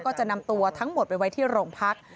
ก็จะนำตัวทั้งหมดไปไว้ที่โรงพัก